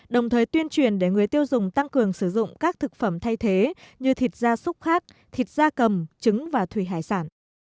đồng thời tuyên truyền để người tiêu dùng tăng cường sử dụng các thực phẩm thay thế như thịt da súc khát thịt da cầm trứng và thủy hải sản